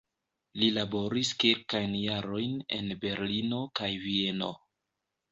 Li laboris kelkajn jarojn en Berlino kaj Vieno.